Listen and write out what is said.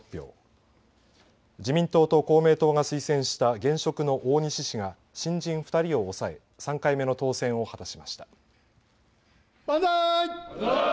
自民党と公明党が推薦した現職の大西氏が新人２人をおさえ３回目の当選を果たしました。